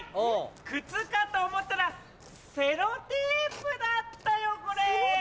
靴かと思ったらセロテープだったよこれ。